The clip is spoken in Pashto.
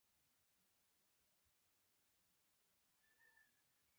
دا اوس تاسې څه کوئ؟ نیت مې وکړ.